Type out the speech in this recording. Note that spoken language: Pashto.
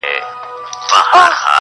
چي مو ګران افغانستان هنرستان سي,